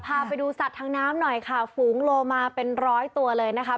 พาไปดูสัตว์ทางน้ำหน่อยค่ะฝูงโลมาเป็นร้อยตัวเลยนะคะ